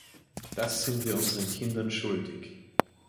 Das sind wir unseren Kindern schuldig.